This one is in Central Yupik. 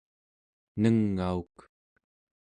nengauk